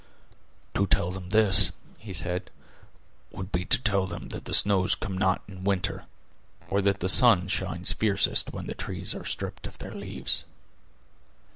"To tell them this," he said, "would be to tell them that the snows come not in the winter, or that the sun shines fiercest when the trees are stripped of their leaves."